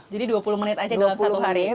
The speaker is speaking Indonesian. jadi dua puluh menit aja dalam satu hari